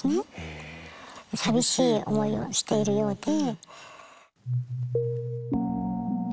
寂しい思いをしているようで。